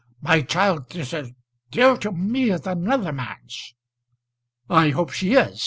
My child is as dear to me as another man's." "I hope she is.